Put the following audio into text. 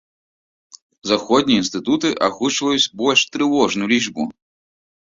Заходнія інстытуты агучваюць больш трывожную лічбу.